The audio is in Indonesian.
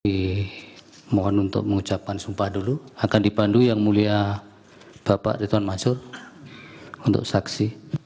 saya mohon untuk mengucapkan sumpah dulu akan dipandu yang mulia bapak tuan masyur untuk saksi